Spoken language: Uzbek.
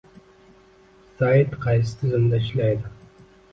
Sayt qaysi tizimda ishlaydi